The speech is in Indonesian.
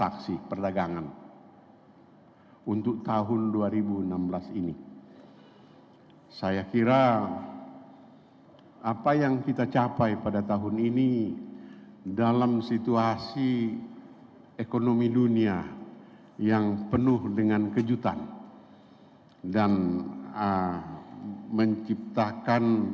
ketua bursa efek